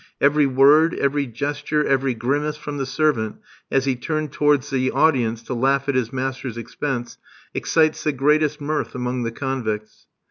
Every word, every gesture, every grimace from the servant, as he turns towards the audience to laugh at his master's expense, excites the greatest mirth among the convicts.